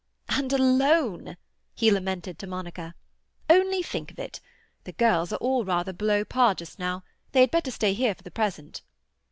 "And alone!" he lamented to Monica. "Only think of it. The girls are all rather below par just now; they had better stay here for the present."